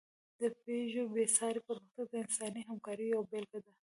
د پيژو بېساری پرمختګ د انساني همکارۍ یوه بېلګه ده.